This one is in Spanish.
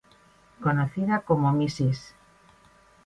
Conocida como Ms.